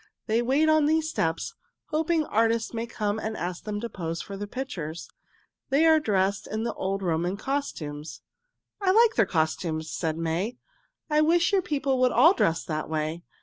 They wait on these steps, hoping artists may come and ask them to pose for their pictures. They are dressed in the old Roman costumes." "I like their costumes," said May. "I wish your people would all dress that way.